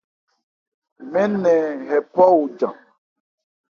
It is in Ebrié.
Mɛɛ́n nɛ hɛ̀ phɔ òjan.